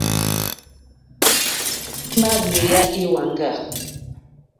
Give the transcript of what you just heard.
À mà gbèyá èwàŋgá.